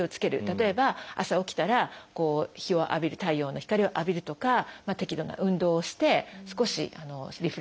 例えば朝起きたら日を浴びる太陽の光を浴びるとか適度な運動をして少しリフレッシュする。